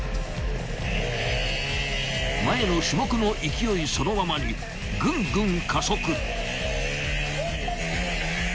［前の種目の勢いそのままにグングン加速］